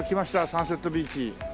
サンセットビーチ。